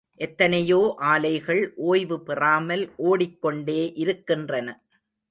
எத்தனையோ ஆலைகள் ஓய்வு பெறாமல் ஓடிக் கொண்டே இருக்கின்றன.